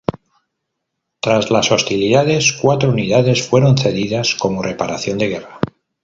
Tras las hostilidades, cuatro unidades fueron cedidas como reparación de guerra.